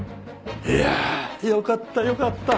いやあよかったよかった。